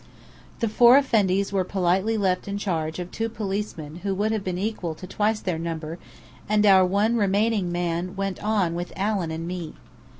The four Effendis were politely left in charge of two policemen who would have been equal to twice their number, and our one remaining man went on with Allen and me.